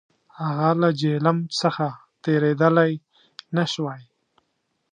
هغه له جیهلم څخه تېرېدلای نه شوای.